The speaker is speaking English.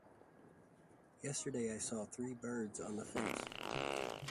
Yesterday I saw three birds on the fence.